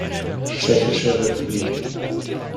Tschechische Republik.